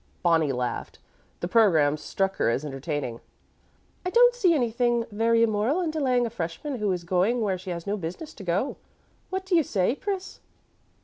Bonnie laughed. The program struck her as entertaining. "I don't see anything very immoral in delaying a freshman who is going where she has no business to go. What do you say, Pris?"